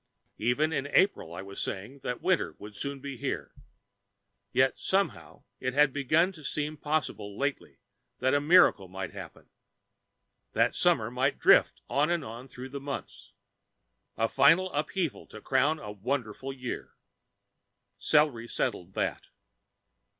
Even in April I was saying that winter would soon be here. Yet somehow it had begun to seem possible lately that a miracle might happen, that summer might drift on and on through the months a final upheaval to crown a wonderful year. The celery settled that.